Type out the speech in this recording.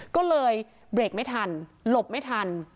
ก็เลยเบรกไม่ทันหลบไม่ทัน